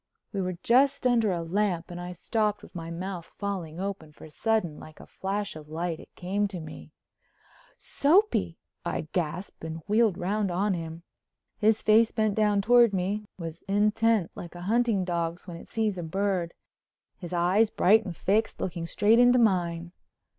We were just under a lamp and I stopped with my mouth falling open, for sudden, like a flash of light, it came to me. "Soapy!" I gasped and wheeled round on him. His face bent down toward me, was intent like a hunting dog's when it sees a bird, his eyes, bright and fixed, looking straight into mine.